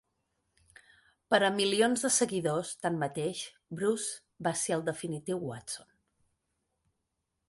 Per a milions de seguidors, tanmateix, Bruce va ser el definitiu Watson.